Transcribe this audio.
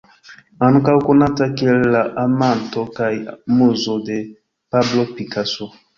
Ankaŭ konata kiel la amanto kaj muzo de Pablo Picasso.